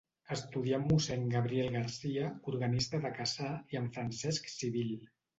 Estudià amb mossèn Gabriel Garcia, organista de Cassà i amb Francesc Civil.